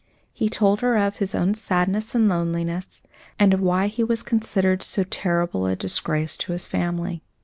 He told her of his own sadness and loneliness, and of why he was considered so terrible a disgrace to his family.